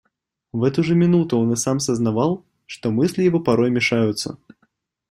В эту же минуту он и сам сознавал, что мысли его порою мешаются.